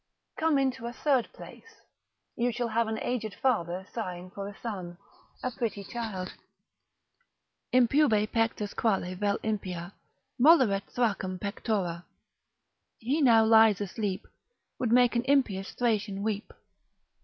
Come into a third place, you shall have an aged father sighing for a son, a pretty child; Impube pectus quale vel impia Molliret Thracum pectora. ———He now lies asleep, Would make an impious Thracian weep.